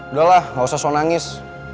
udah lah gak usah sok nangis